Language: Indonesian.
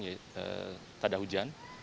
jadi tak ada hujan